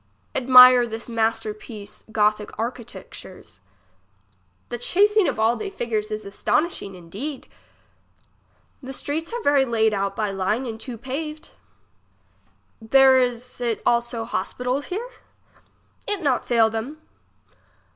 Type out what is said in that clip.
Admire this master piece gothic architecture's. The chasing of all they figures is astonishing indeed. The streets are very layed out by line and too paved. There is it also hospitals here ? It not fail them.